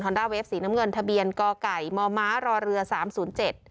ด้าเวฟสีน้ำเงินทะเบียนก่อไก่มมรอเรือสามศูนย์เจ็ด